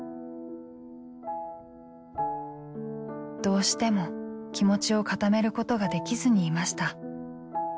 どうしても気持ちを固めることができずにいました。